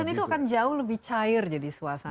dan itu akan jauh lebih cair jadi suasana